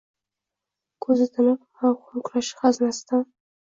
Ko‘zi tinib mavhum kurash g‘amzasidan